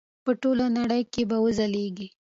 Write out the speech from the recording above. په ټوله نړۍ کې به وځلیږي.